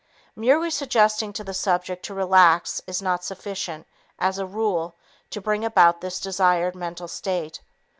Merely suggesting to the subject to relax is not sufficient, as a rule, to bring about this desired mental state.